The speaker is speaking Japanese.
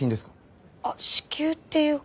あっ支給っていうか。